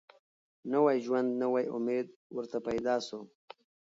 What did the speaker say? نوی ژوند نوی امید ورته پیدا سو